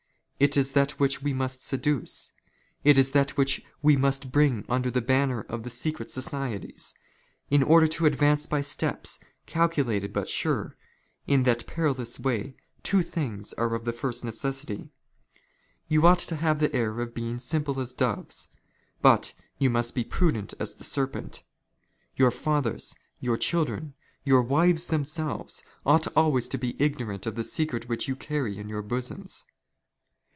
It is that which we " must seduce ; it is that which we must bring under the banner " of the secret societies. In order to advance by steps, calculated " but sure, in that perilous way, two things are of the first " necessity. You ought have the air of being simple as doves, but " you must be prudent as the serpent. Your fathers, your children, " your wives themselves, ought always be ignorant of the secret " which you carry in your bosoms.